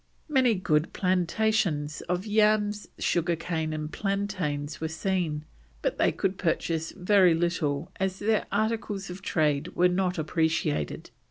Many good plantations of yams, sugar cane, and plantains were seen, but they could purchase very little as their articles of trade were not appreciated.